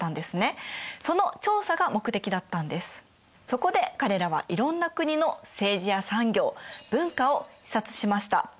そこで彼らはいろんな国の政治や産業文化を視察しました。